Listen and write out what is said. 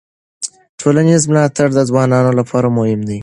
ټولنیز ملاتړ د ځوانانو لپاره مهم دی.